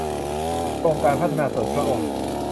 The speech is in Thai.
โครงการพัฒนาส่วนพระองค์